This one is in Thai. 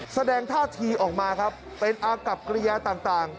แสดงท่าทีออกมาครับเป็นอากับกริยาต่าง